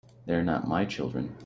They're not my children.